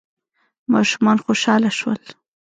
ماشومان خوشحاله شول.